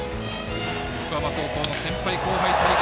横浜高校の先輩・後輩対決。